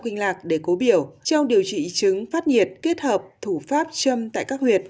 kinh lạc để cố biểu trong điều trị chứng phát nhiệt kết hợp thủ pháp châm tại các huyện